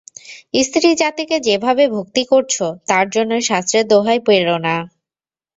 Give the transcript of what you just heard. স্ত্রীজাতিকে যে ভাবে ভক্তি করছ তার জন্যে শাস্ত্রের দোহাই পেড়ো না!